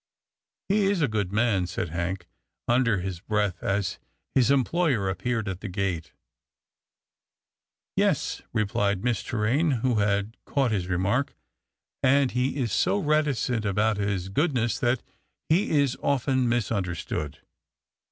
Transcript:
" He is a good man," said Hank under his breath, as his employer appeared at the gate. " Yes," replied Miss Torraine who had caught his remark, " and he is so reticent about his good 344 'TILDA JANE'S ORPHANS ness that he is often misunderstood.